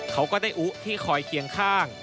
เขาก็ได้อุที่คอยเคียงข้าง